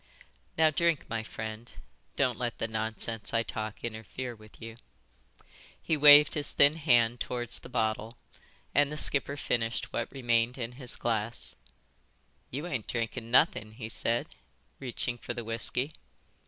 "Now drink, my friend. Don't let the nonsense I talk interfere with you." He waved his thin hand towards the bottle, and the skipper finished what remained in his glass. "You ain't drinking nothin," he said, reaching for the whisky.